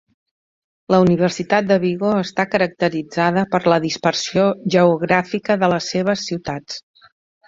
La Universitat de Vigo està caracteritzada per la dispersió geogràfica de les seves ciutats.